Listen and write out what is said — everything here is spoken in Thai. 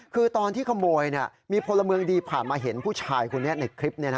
คือตอนที่ขโมยมีพลเมืองดีผ่านมาเห็นผู้ชายคนนี้ในคลิป